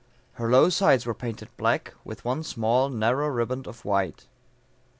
Her low sides were painted black, with one small, narrow ribband of white.